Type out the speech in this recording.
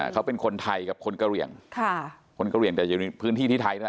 เขาเป็นคนไทยกับคนกะเหลี่ยงคนกะเหลี่ยงแต่อยู่ในพื้นที่ที่ไทยนะ